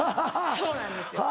そうなんですよ。